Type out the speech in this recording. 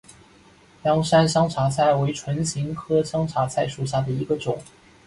凉山香茶菜为唇形科香茶菜属下的一个种。